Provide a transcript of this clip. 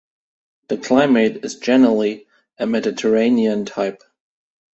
The climate is generally Mediterranean type.